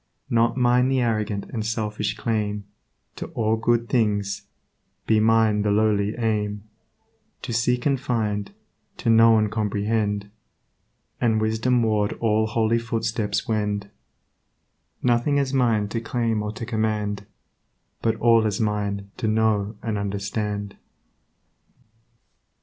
Not mine the arrogant and selfish claim To all good things; be mine the lowly aim To seek and find, to know and comprehend, And wisdom ward all holy footsteps wend, Nothing is mine to claim or to command, But all is mine to know and understand.